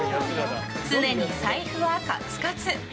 常に財布はカツカツ。